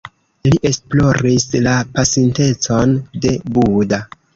Li esploris la pasintecon de Buda.